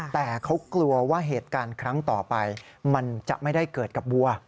แต่เขากลัวว่าเหตุการณ์ครั้งต่อไปมันจะไม่ได้เกิดกับวัว